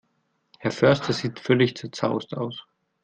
Herr Förster sieht völlig zerzaust aus.